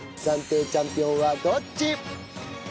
暫定チャンピオンはどっち！？